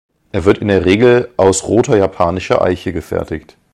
Er wird in der Regel aus roter japanischer Eiche gefertigt.